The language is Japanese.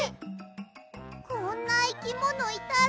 こんないきものいたら。